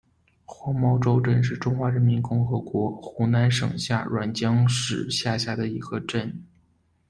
黄茅洲镇是中华人民共和国湖南省沅江市下辖的一个镇。